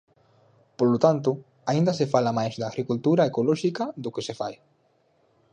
Polo tanto, aínda se fala máis da agricultura ecolóxica do que se fai.